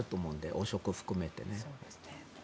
汚職も含めてね。